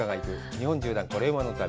日本縦断コレうまの旅」。